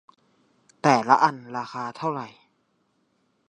แต่ละอันราคาเท่าไหร่ ?